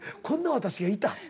こんな私がいた。